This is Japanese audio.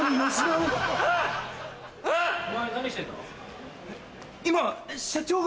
お前何してんの？